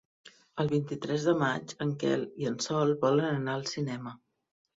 El vint-i-tres de maig en Quel i en Sol volen anar al cinema.